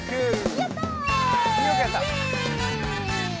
やった！